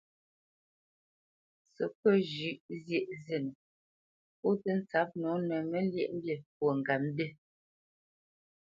Səkôt zhʉ̌ʼ zyēʼ zînə, pɔ̌ tə́ ntsǎp nǒ nə Məlyéʼmbî fwo ŋgapmbî.